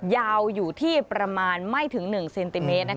ยาวอยู่ที่ประมาณไม่ถึง๑เซนติเมตร